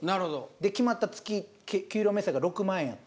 で決まった月給料明細が６万円やって。